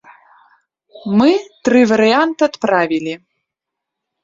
Мы тры варыянт адправілі.